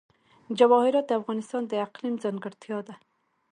جواهرات د افغانستان د اقلیم ځانګړتیا ده.